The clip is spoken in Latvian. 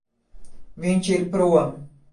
Viņš ir prom.